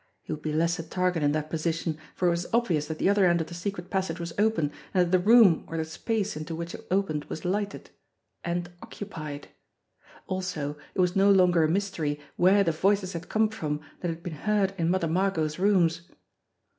He would be less a target in that posi tion, for it was obvious that the other end of the secret passage was open, and that the room or the space into which it opened was lighted mid occupied. Also, it was no longer a mystery where the voices had come from that had been heard in Mother Margot's rooms!